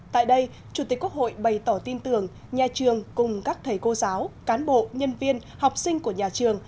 tại đây chủ tịch quốc hội bày tỏ tin tưởng nhà trường cùng các thầy cô giáo cán bộ nhân viên học sinh của nhà trường